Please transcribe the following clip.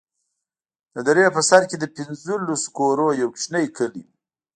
د درې په سر کښې د پنځلسو كورونو يو كوچنى كلى و.